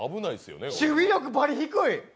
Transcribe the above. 守備力バリ低い。